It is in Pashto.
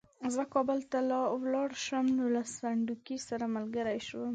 زه کابل ته ولاړ شم نو له سنډکي سره ملګری شوم.